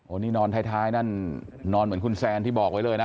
นี่นอนท้ายนั่นนอนเหมือนคุณแซนที่บอกไว้เลยนะ